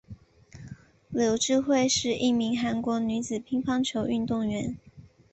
柳智惠是一名韩国女子乒乓球运动员。